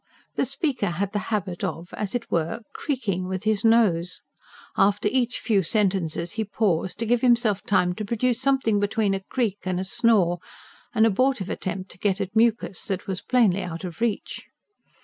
The speaker had the habit of, as it were, creaking with his nose. After each few sentences he paused, to give himself time to produce something between a creak and a snore an abortive attempt to get at a mucus that was plainly out of reach.